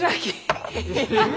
ハハハハ。